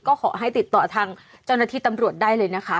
ก็ขอให้ติดต่อทางเจ้าหน้าที่ตำรวจได้เลยนะคะ